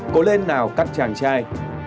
cố lên nào các chàng trai